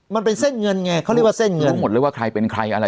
มันเป็นเส้นเงินไงเขาเรียกว่าเส้นเงินรู้หมดเลยว่าใครเป็นใครอะไร